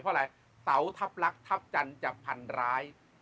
เพราะอะไรเสาทัพลักษณ์ทัพจันทร์จะพันร้าย